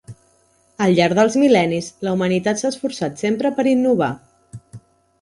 Al llarg dels mil·lennis la humanitat s'ha esforçat sempre per innovar.